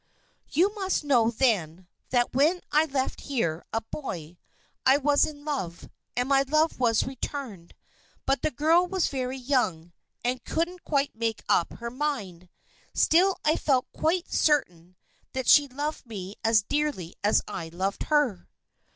"You must know, then, that when I left here, a boy, I was in love, and my love was returned, but the girl was very young, and couldn't quite make up her mind. Still I felt quite certain that she loved me as dearly as I loved her."